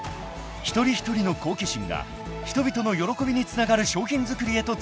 ［一人一人の好奇心が人々の喜びにつながる商品作りへとつながっていく］